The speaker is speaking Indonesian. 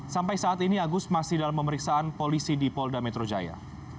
sampai saat ini agus masih dalam pemeriksaan polisi di polda metro jaya